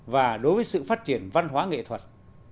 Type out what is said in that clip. và đối với sự phát triển văn hóa nghệ thuật